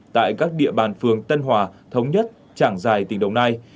tại các địa bàn phường tân hòa thống nhất trảng giải tỉnh đồng nai